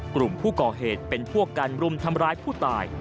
กลุ่มผู้ก่อเหตุเป็นพวกการรุมทำร้ายผู้ตาย